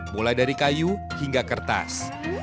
mulai dari kayu hingga kertas